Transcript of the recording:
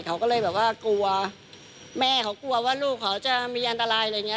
เขาก็เลยแบบว่ากลัวแม่เขากลัวว่าลูกเขาจะมีอันตรายอะไรอย่างนี้